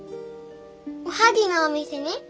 おはぎのお店に？